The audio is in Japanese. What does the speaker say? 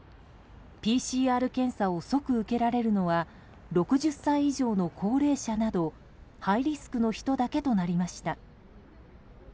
ＰＣＲ検査を即受けられるのは６０歳以上の高齢者などハイリスクの人だけとなりました。